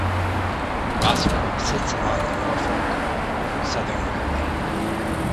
Rossville sits along the Norfolk Southern Railway.